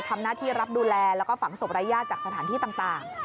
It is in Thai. ทำหน้าที่รับดูแลแล้วก็ฝังศพรายญาติจากสถานที่ต่าง